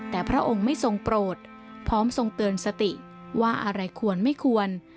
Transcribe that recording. แต่พระองค์ไม่ทรงโปรดพร้อมทรงเตือนสติว่าอะไรควรไม่ควร